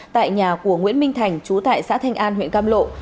tại nhà của nguyễn minh thành chú tại xã thanh an huyện cam lộ